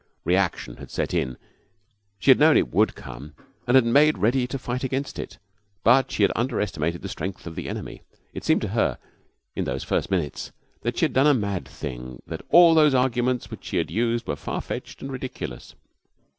Reaction had set in. She had known it would come, and had made ready to fight against it, but she had underestimated the strength of the enemy. It seemed to her, in those first minutes, that she had done a mad thing; that all those arguments which she had used were far fetched and ridiculous.